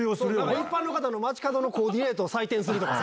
一般の方の街角のコーディネートを採点するとかさ。